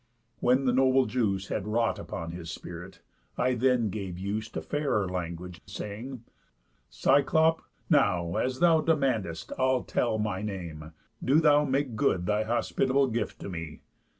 When the noble juice Had wrought upon his spirit, I then gave use To fairer language, saying: 'Cyclop! now, As thou demand'st, I'll tell my name, do thou Make good thy hospitable gift to me.